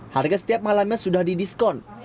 harga setiap malamnya sudah didiskon